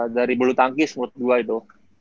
dari bulu tangkis menurut gue itu